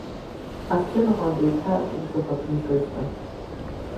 Асценаҟны деиҭаацәырҵроуп апринцесса.